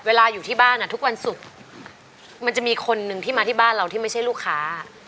อยู่ที่บ้านทุกวันศุกร์มันจะมีคนหนึ่งที่มาที่บ้านเราที่ไม่ใช่ลูกค้า